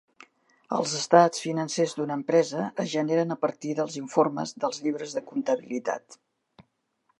Els estats financers d'una empresa es generen a partir dels informes dels llibres de comptabilitat.